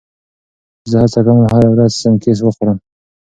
زه هڅه کوم هره ورځ سنکس وخورم.